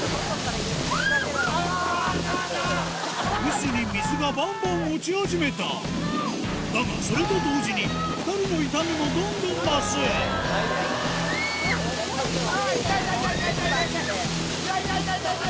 臼に水がバンバン落ち始めただがそれと同時に２人の痛みもどんどん増すキャ！